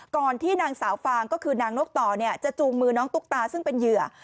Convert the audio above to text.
ก่อนที่นางสาวฟางก็คือนางนกต่อจะจูงมือน้องตุ๊กตาซึ่งเป็นเหยื่อ